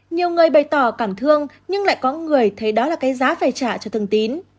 nhiều người bày tỏ cảm thương nhưng lại có người thấy đó là cái giá phải trả cho thường tín